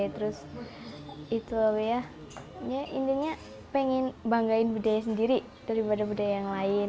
terus intinya pengen banggain budaya sendiri daripada budaya yang lain